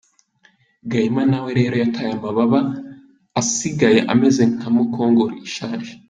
Gahima nawe rero yataye amababa asigaye ameze nka mukongoro ishaje !